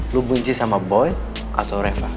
lu bunci sama boy atau reva